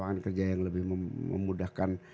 lapangan kerja yang lebih memudahkan